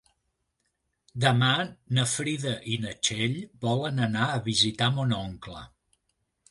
Demà na Frida i na Txell volen anar a visitar mon oncle.